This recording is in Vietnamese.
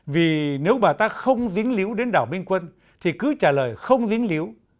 vì nếu bà ta không dính líu đến đảo minh quân thì cứ trả lời không dính líu